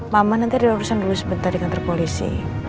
mama nanti dirusakan dulu sebentar di kantor polisi